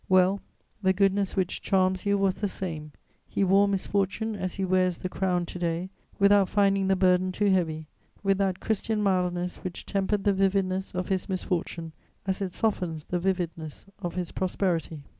Well, the goodness which charms you was the same; he wore misfortune as he wears the crown to day, without finding the burden too heavy, with that Christian mildness which tempered the vividness of his misfortune as it softens the vividness of his prosperity.